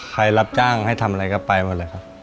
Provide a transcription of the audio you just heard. รับจ้างให้ทำอะไรก็ไปหมดเลยครับ